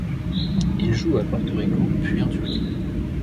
Il joue à Porto Rico, puis en Turquie.